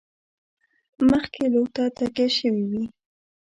مخکې لور ته تکیه شوي وي.